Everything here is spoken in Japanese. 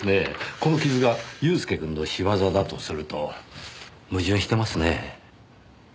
この傷が祐介くんの仕業だとすると矛盾してますねぇ。